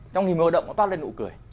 trong hình hội động nó toát lên nụ cười